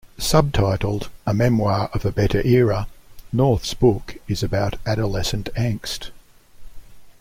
Subtitled "a memoir of a better era", North's book is about adolescent angst.